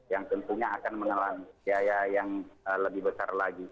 yang tentunya akan menelan biaya yang lebih besar lagi